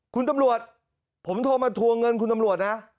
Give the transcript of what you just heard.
คุณตำรวจผมโทรมาทวงเงินคุณตำรวจนะ